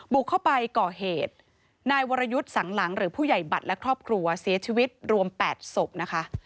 บุกเข้าไปก่อเหตุนายวรยุทธ์สังหลังหรือผู้ใหญ่บัตรและครอบครัวเสียชีวิตรวม๘ศพนะคะ